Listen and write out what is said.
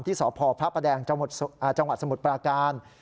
สพพระประแดงจังหวัดสมุทรปราการ